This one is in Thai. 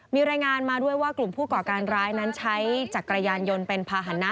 มีรายงานมาด้วยว่ากลุ่มผู้ก่อการร้ายนั้นใช้จักรยานยนต์เป็นภาษณะ